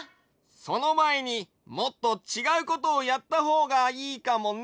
そのまえにもっとちがうことをやったほうがいいかもね。